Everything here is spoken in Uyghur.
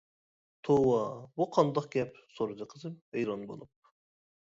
-توۋا، بۇ قانداق گەپ؟ سورىدى قىزىم ھەيران بولۇپ.